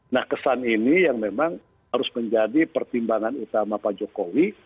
nah kesan ini yang memang harus menjadi pertimbangan utama pak jokowi